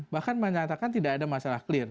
bahkan menyatakan tidak ada masalah clear